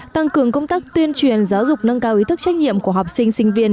tăng cường công tác tuyên truyền giáo dục nâng cao ý thức trách nhiệm của học sinh sinh viên